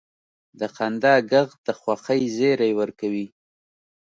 د خندا ږغ د خوښۍ زیری ورکوي.